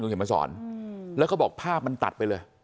คุณเห็นมันสอนแล้วก็บอกภาพมันตัดไปเลย